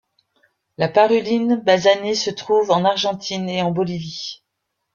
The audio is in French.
La Paruline basanée se trouve en Argentine et en Bolivie.